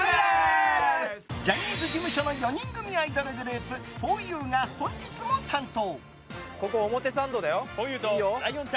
ジャニーズ事務所の４人組アイドルグループふぉゆが、本日も担当。